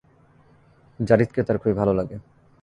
যারীদকে তার খুবই ভাল লাগে।